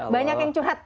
banyak yang curhat